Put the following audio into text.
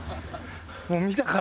もう見たから。